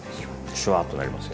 シュワッとなりますよ。